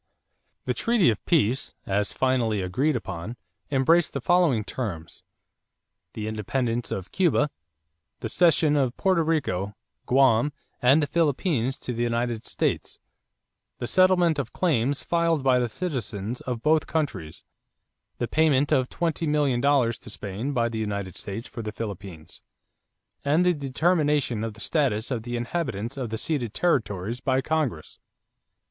= The treaty of peace, as finally agreed upon, embraced the following terms: the independence of Cuba; the cession of Porto Rico, Guam, and the Philippines to the United States; the settlement of claims filed by the citizens of both countries; the payment of twenty million dollars to Spain by the United States for the Philippines; and the determination of the status of the inhabitants of the ceded territories by Congress.